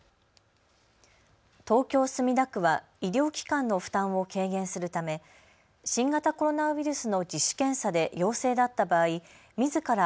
東京墨田区は医療機関の負担を軽減するため新型コロナウイルスの自主検査で陽性だった場合、みずから